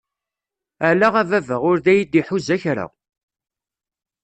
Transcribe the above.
Ala a baba ur d ay-d-iḥuza kra!